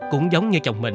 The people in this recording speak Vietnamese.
cũng giống như chồng mình